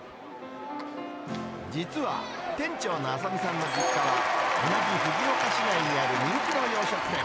実は店長の浅見さんの実家は、同じ藤岡市内にある人気の洋食店。